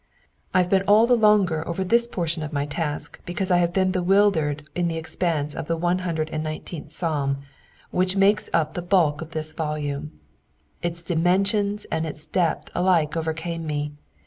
I have been all the longer over this portion of my task because I have been bewildered in the expanse of the One Hundred and Nineteenth Psalm, which makes up the bulk of this volume. Its dimensions and its depth alike overcame me.